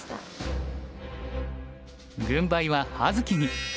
軍配は葉月に。